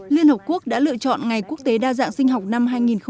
liên hợp quốc đã lựa chọn ngày quốc tế đa dạng sinh học năm hai nghìn hai mươi